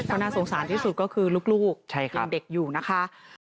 ข้อน่าสงสารที่สุดก็คือลูกอยู่นะคะ